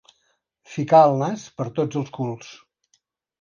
Ficar el nas per tots els culs.